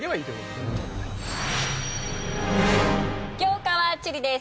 教科は地理です。